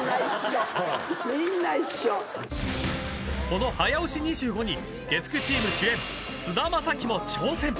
［この早押し２５に月９チーム主演菅田将暉も挑戦］